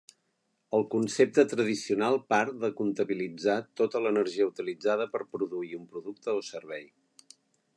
El concepte tradicional part de comptabilitzar tota l'energia utilitzada per produir un producte o servei.